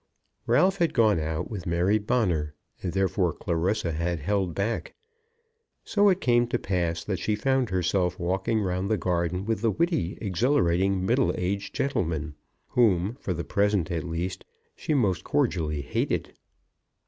Ralph had gone out with Mary Bonner, and therefore Clarissa had held back. So it came to pass that she found herself walking round the garden with the witty, exhilarating, middle aged gentleman, whom, for the present at least, she most cordially hated.